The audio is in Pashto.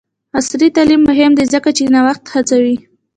عصري تعلیم مهم دی ځکه چې نوښت هڅوي.